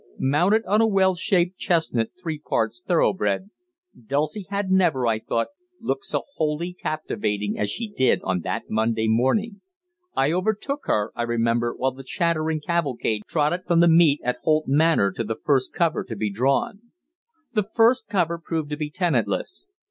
Mounted on a well shaped chestnut three parts thoroughbred, Dulcie had never, I thought, looked so wholly captivating as she did on that Monday morning; I overtook her, I remember, while the chattering cavalcade trotted from the meet at Holt Manor to the first cover to be drawn. The first cover proved to be tenantless.